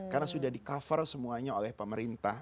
karena sudah di cover semuanya oleh pemerintah